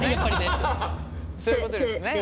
そういうことですよね